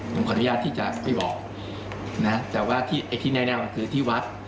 ผมขออนุญาตที่จะไปบอกนะแต่ว่าที่แนะนำคือที่วัด